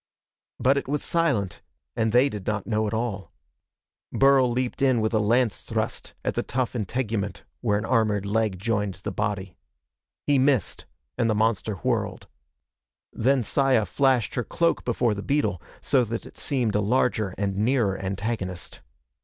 But it was silent, and they did not know at all. Burl leaped in with a lance thrust at the tough integument where an armored leg joined the body. He missed, and the monster whirled. Then Saya flashed her cloak before the beetle, so that it seemed a larger and nearer antagonist.